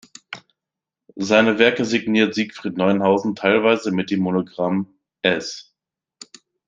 Seine Werke signiert Siegfried Neuenhausen teilweise mit dem Monogramm „S.